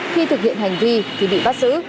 khi thực hiện hành vi thì bị bắt giữ